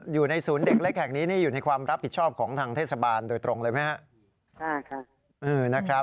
อยู่ในศูนย์เด็กเล็กแห่งนี้นี่อยู่ในความรับผิดชอบของทางเทศบาลโดยตรงเลยไหมครับ